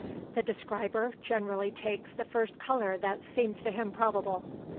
The describer generally takes the first colour that seems to him probable.